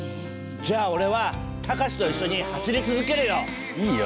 じゃあオレは隆と一緒に走り続けるよ。